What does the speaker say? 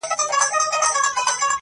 چوپتيا تر ټولو درنه ښکاري ډېر,